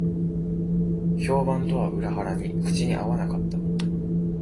評判とは裏腹に口に合わなかった